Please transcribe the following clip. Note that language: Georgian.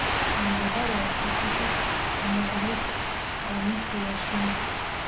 მდებარეობს თურქეთის მუღლის პროვინციაში.